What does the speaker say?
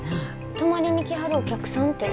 泊まりに来はるお客さんて。